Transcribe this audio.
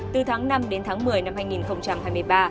từ tháng năm đến tháng một mươi năm hai nghìn hai mươi ba